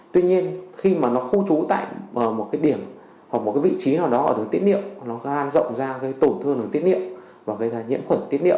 tuy nhiên khi mà nó khu trú tại một cái điểm hoặc một cái vị trí nào đó ở đường tiết niệu nó lan rộng ra gây tổn thương đường tiết niệu và gây ra nhiễm khuẩn tiết niệ